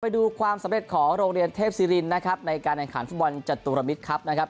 ดูความสำเร็จของโรงเรียนเทพศิรินนะครับในการแข่งขันฟุตบอลจตุรมิตรครับนะครับ